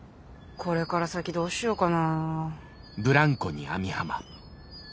これから先どうしようかな。